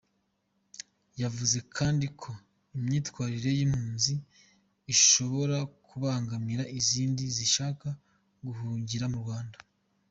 Yavuze kandi ko imyitwarire y’impunzi ishobora kubangamira izindi zishaka guhungira mu Rwanda.